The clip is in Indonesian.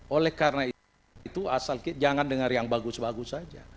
oleh karena itu asal jangan dengar yang bagus bagus saja